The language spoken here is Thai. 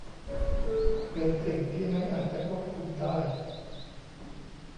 เป็นสิ่งที่ไม่อาจจะควบคุมได้